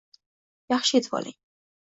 Yaxshi etvoling.